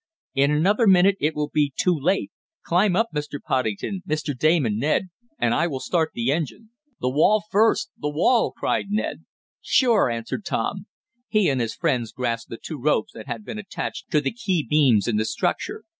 In another minute it will be too late. Climb up, Mr. Poddington, Mr. Damon, Ned, and I will start the machine." "The wall first! The wall!" cried Ned. "Sure," answered Tom. He and his friends grasped the two ropes that had been attached to the key beams in the structure.